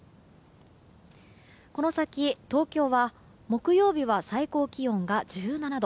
この先、東京は木曜日は最高気温が１７度。